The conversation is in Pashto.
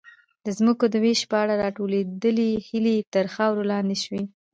د ځمکو د وېش په اړه راټوکېدلې هیلې تر خاورې لاندې شوې.